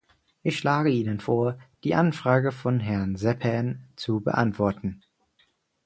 Ich schlage Ihnen vor, die Anfrage von Herrn Seppänen zu beantworten.